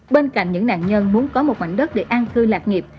bên cạnh những nạn nhân muốn có một mảnh đất để an cư lạc nghiệp